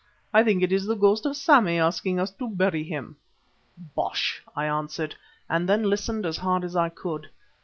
I think it is the ghost of Sammy asking us to bury him." "Bosh!" I answered, and then listened as hard as I could.